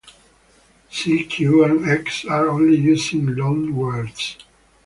"C", "Q", and "X" are only used in loanwords.